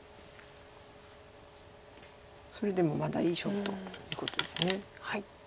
それでもまだいい勝負ということです。